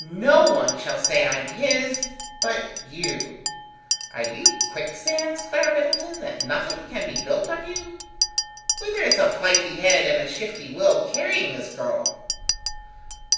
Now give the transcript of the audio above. No one shall say I am his but you." "Are you quicksands, Clara Middleton, that nothing can be built on you? Whither is a flighty head and a shifty will carrying the girl?"